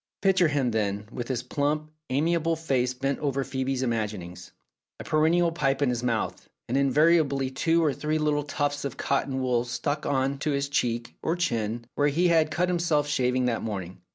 Picture him, then, with his plump, amiable face bent over Phoebe's imaginings, a perennial pipe in his mouth, and, invariably, two or three little tufts of cotton wool struck on to his cheek or chin, where he had cut himself shaving that morning.